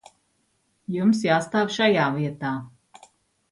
Jums jāstāv šajā vietā.